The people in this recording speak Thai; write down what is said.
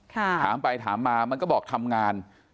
ถามไปถามมามันก็บอกทำงาน